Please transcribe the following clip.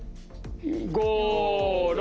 ５６。